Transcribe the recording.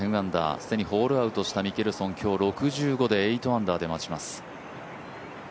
既にホールアウトしたミケルソン、今日６５で８アンダーで待ちます。